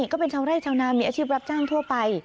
ก็เป็นชาวไร่ชาวนามีอาชีพรับจ้างทั่วไป